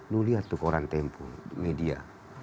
lu lihat tuh koran tempo media